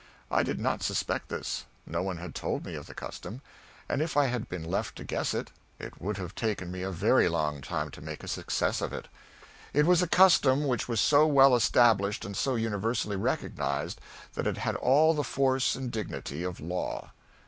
I did not suspect this. No one had told me of the custom, and if I had been left to guess it, it would have taken me a very long time to make a success of it. It was a custom which was so well established and so universally recognized, that it had all the force and dignity of law.